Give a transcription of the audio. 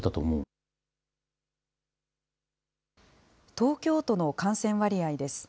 東京都の感染割合です。